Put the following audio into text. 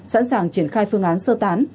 sẵn sàng triển khai phương án sơ tán